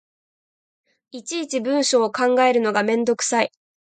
いちいち文章を考えるのがめんどくさい